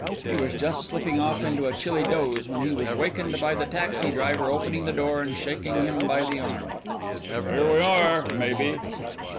He was just slipping off into a chilly doze when he was wakened by the taxi driver opening the door and shaking him by the arm. "Here we are, maybe."